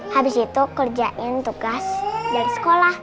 habis itu kerjain tugas dari sekolah